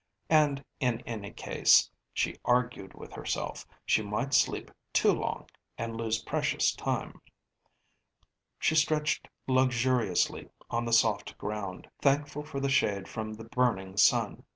And in any case, she argued with herself, she might sleep too long and lose precious time. She stretched luxuriously on the soft ground, thankful for the shade from the burning sun.